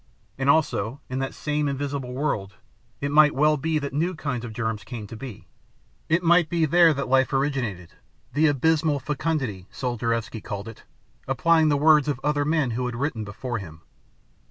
And also, in that same invisible world it might well be that new kinds of germs came to be. It might be there that life originated the 'abysmal fecundity,' Soldervetzsky called it, applying the words of other men who had written before him...."